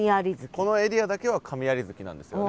このエリアだけは神在月なんですよね。